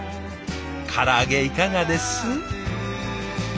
から揚げいかがです？